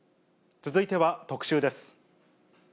続いては特集です。